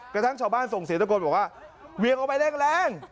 กระทั่งชาวบ้านส่งเสียงตะโกนบอกว่าเวียงออกไปแรง